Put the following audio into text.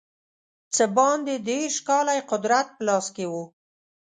څه باندې دېرش کاله یې قدرت په لاس کې وو.